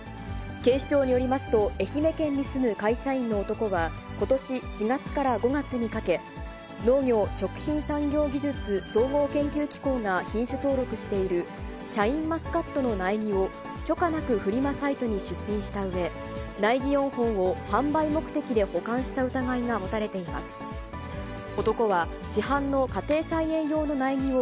警視庁によりますと、愛媛県に住む会社員の男は、ことし４月から５月にかけ、農業・食品産業技術総合研究機構が品種登録している、シャインマスカットの苗木を許可なくフリマサイトに出品したうえ、苗木４本を販売目的で保管した疑いが持たれています。